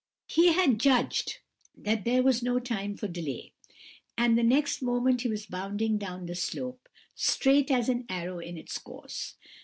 He had judged that there was no time for delay; and the next moment he was bounding down the slope, straight as an arrow in its course.